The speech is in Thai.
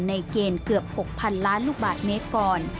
ในเกณฑ์เกือบ๖๐๐๐ล้านลูกบาทเมตรก่อน